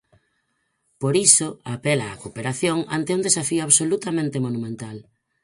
Por iso, apela á "cooperación" ante un "desafío absolutamente monumental".